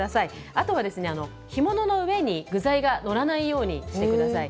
あとは干物の上に具材が載らないようにしてください。